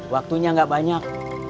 waktunya nggak banyak